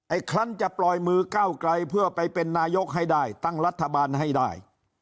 คลั้นจะปล่อยมือก้าวไกลเพื่อไปเป็นนายกให้ได้ตั้งรัฐบาลให้ได้